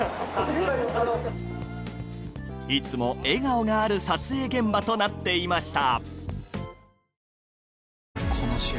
いつも笑顔がある撮影現場となっていました